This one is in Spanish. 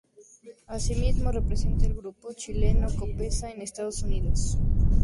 Asimismo, representa al grupo chileno Copesa en Estados Unidos.